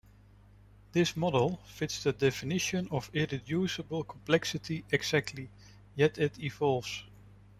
This model fits the definition of irreducible complexity exactly, yet it evolves.